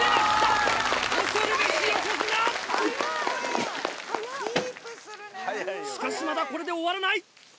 しかしまだこれで終わらない！